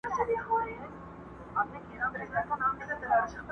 قبرکن به دي په ګورکړي د لمر وړانګي به ځلېږي٫